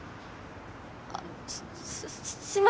あすすいません